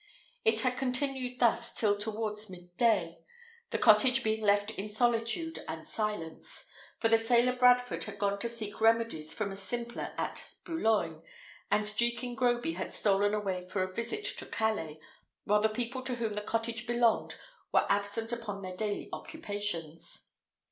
It had continued thus till towards mid day, the cottage being left in solitude and silence; for the sailor Bradford had gone to seek remedies from a simpler at Boulogne, and Jekin Groby had stolen away for a visit to Calais, while the people to whom the cottage belonged were absent upon their daily occupations.